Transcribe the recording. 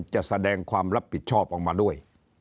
จะแสดงความรับผิดชอบออกมาด้วย